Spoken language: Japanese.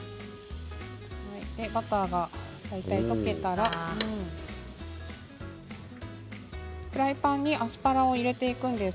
バターが大体、溶けたらフライパンにアスパラを入れていきます。